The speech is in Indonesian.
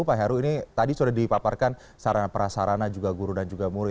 pak heru ini tadi sudah dipaparkan sarana perasarana juga guru dan juru